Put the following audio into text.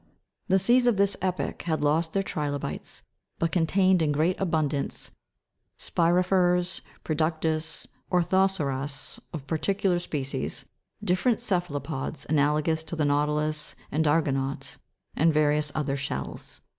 The seas of this epoch had lost their tri'lobites ; but contained, in great abundance, spi'rifers, productus, orthoceras of particular species, different ce'phalopods, analogous to the nautilus and argo naut, and various other shells.